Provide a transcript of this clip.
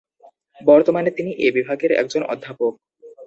বর্তমানে তিনি এ বিভাগের একজন অধ্যাপক।